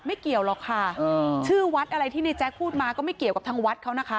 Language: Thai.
ไม่เกี่ยวหรอกค่ะชื่อวัดอะไรที่ในแจ๊คพูดมาก็ไม่เกี่ยวกับทางวัดเขานะคะ